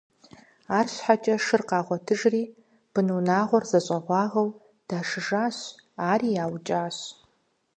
Арщхьэкӏэ шыр къагъуэтыжри, бынунагъуэр зэщӏэгъуагэу дашыжащ, ари яукӏащ.